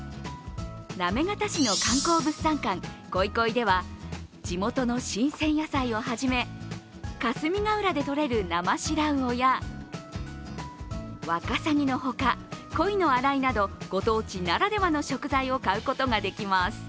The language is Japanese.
行方市の観光物産館こいこいでは地元の新鮮野菜をはじめ、霞ヶ浦でとれる生白魚やわかさぎのほか鯉のあらいなどご当地ならではの食材を買うことができます。